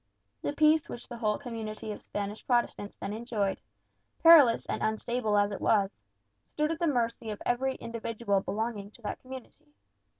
The peace which the whole community of Spanish Protestants then enjoyed, perilous and unstable as it was, stood at the mercy of every individual belonging to that community.